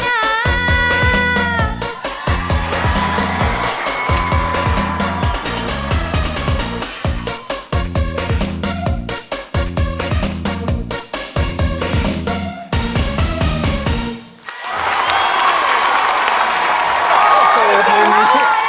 ถ้าเกิดเสียแฟนไปช่วยไม่ได้นะ